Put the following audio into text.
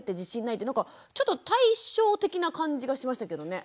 なんかちょっと対照的な感じがしましたけどね。